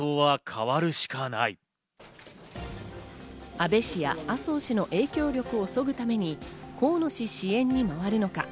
安倍氏や麻生氏の影響力をそぐために、河野氏支援に回るのか。